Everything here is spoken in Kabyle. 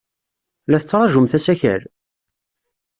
La tettṛajumt asakal?